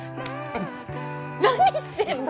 何してんの？